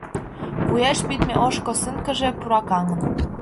Вуеш пидме ош косынкыже пуракаҥын.